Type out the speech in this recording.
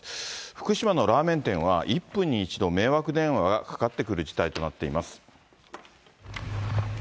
福島のラーメン店は１分に１度迷惑電話がかかってくる事態となっています。